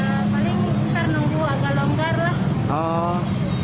ya paling besar nunggu agak longgar lah